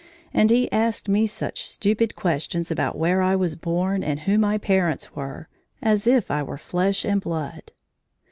And he asked such stupid questions about where I was born and who my parents were, as if I were flesh and blood.